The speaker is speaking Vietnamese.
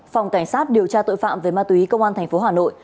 phòng cảnh sát điều tra tội phạm về ma túy công an thành phố hà nội